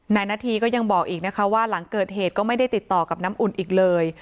นาธีก็ยังบอกอีกนะคะว่าหลังเกิดเหตุก็ไม่ได้ติดต่อกับน้ำอุ่นอีกเลย